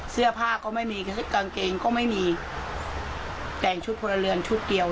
เสื้อผ้าก็ไม่มีกางเกงก็ไม่มีแต่งชุดพลเรือนชุดเดียว